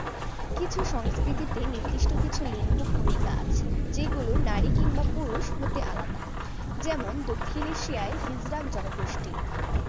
কিছু সংস্কৃতিতে নির্দিষ্ট কিছু লিঙ্গ ভূমিকা আছে, যেগুলো নারী কিংবা পুরুষ হতে আলাদা, যেমন দক্ষিণ এশিয়ার হিজড়া জনগোষ্ঠী।